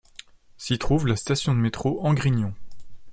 S'y trouve la station de métro Angrignon.